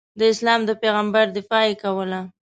د اسلام د پیغمبر دفاع یې کوله.